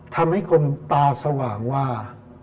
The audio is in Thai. ทำให้คนตาสว่างว่า